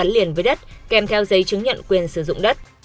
liền với đất kèm theo giấy chứng nhận quyền sử dụng đất